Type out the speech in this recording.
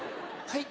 はい？